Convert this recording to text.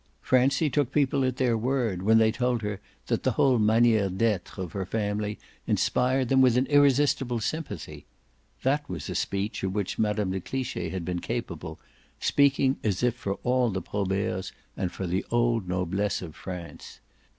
Francie took people at their word when they told her that the whole maniere d'etre of her family inspired them with an irresistible sympathy: that was a speech of which Mme. de Cliche had been capable, speaking as if for all the Proberts and for the old noblesse of France.